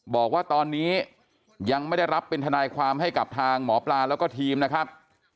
บอกว่าตอนนี้ยังไม่ได้รับเป็นทนายความให้กับทางหมอปลาแล้วก็ทีมนะครับ